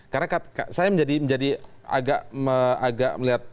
karena saya menjadi agak melihat